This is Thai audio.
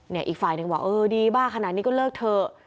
อีกฝ่ายหนึ่งบอกเออดีบ้าขนาดนี้ก็เลิกเถอะ